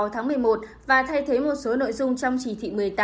sáu tháng một mươi một và thay thế một số nội dung trong chỉ thị một mươi tám